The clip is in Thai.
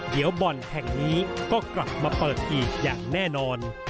เดี๋ยวบ่อนแห่งนี้ก็กลับมาเปิดอีกอย่างแน่นอน